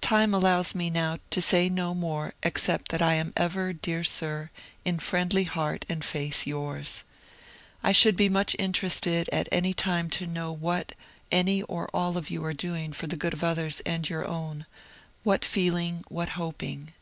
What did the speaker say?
Time allows me now to say no more except that 1 am ever, dear sir, in friendly heart and faith yours. I should be much interested at any time to know what any or all of you are doing for the good of others and your own, what feeling, what hoping.